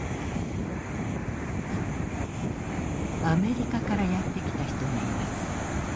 アメリカからやって来た人がいます。